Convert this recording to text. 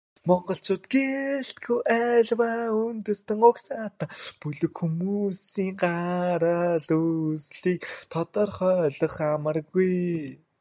Монголчууд гэлтгүй, аливаа үндэстэн угсаатан, бүлэг хүмүүсийн гарал үүслийг тодорхойлох амаргүй.